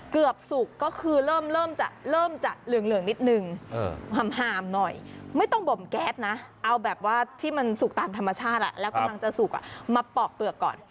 สุกก็คือเริ่มจะเริ่มจะเหลืองนิดนึงห่ามหน่อยไม่ต้องบ่มแก๊สนะเอาแบบว่าที่มันสุกตามธรรมชาติแล้วกำลังจะสุกมาปอกเปลือกก่อน